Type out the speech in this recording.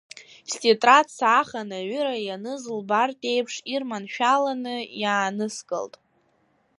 Стетрад саахан аҩыра ианыз лбартә еиԥш ирманшәаланы иааныскылт.